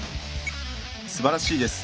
すばらしいです。